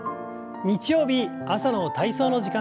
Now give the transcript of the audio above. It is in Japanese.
日曜日朝の体操の時間です。